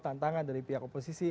tantangan dari pihak oposisi